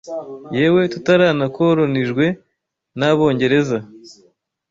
yewe tutaranakolonijwe n’ Abongereza!